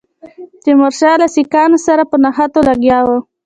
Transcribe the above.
تیمورشاه له سیکهانو سره په نښتو لګیا وو.